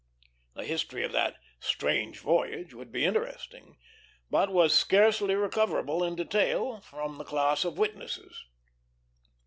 The history of that strange voyage would be interesting, but was scarcely recoverable in detail from the class of witnesses.